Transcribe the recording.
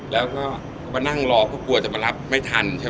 แล้วก็ไปนั่งรอก็กลัวจะมารับไม่ทันใช่มะ